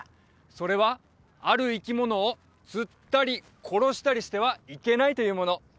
それはある生き物を釣ったり殺したりしてはいけないというもの